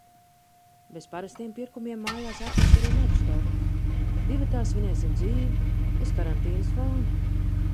Bez parastiem pirkumiem mājās atnesu arī medus torti. Divatā svinēsim dzīvi uz karantīnas fona.